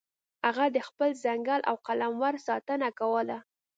هغه د خپل ځنګل او قلمرو ساتنه کوله.